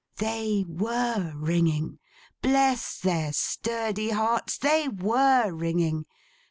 They WERE ringing! Bless their sturdy hearts, they WERE ringing!